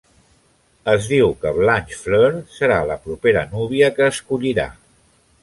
Es diu que Blanchefleur serà la propera núvia que escollirà.